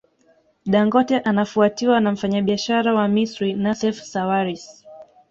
Dangote anafuatiwa na mfanyabiashara wa Misri Nassef Sawaris